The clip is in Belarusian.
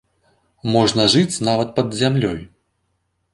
Можна жыць нават пад зямлёй.